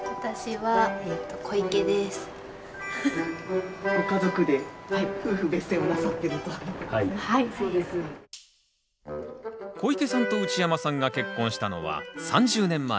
はいそうです。小池さんと内山さんが結婚したのは３０年前。